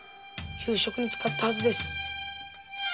夕食に使ったはずです。